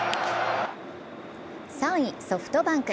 ３位・ソフトバンク。